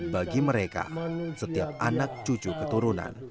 bagi mereka setiap anak cucu keturunan